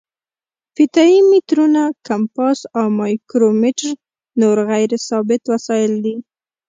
فیته یي مترونه، کمپاس او مایکرو میټر نور غیر ثابت وسایل دي.